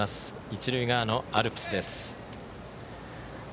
一塁側のアルプスです。